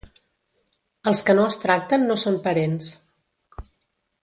Els que no es tracten no són parents.